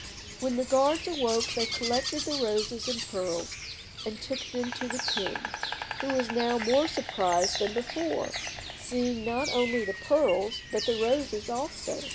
When the guards awoke they collected the roses and pearls and took them to the king, who was now more surprised than before, seeing not only the pearls but the roses also.